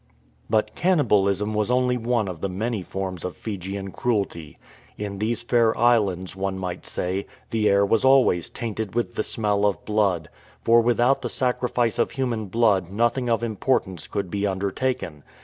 But cannibalism was only one of the many forms of Fijian cruelty. In these fair islands, one might say, the air was always tainted with the smell of blood, for with out the sacrifice of human blood nothing of importance could be undertaken.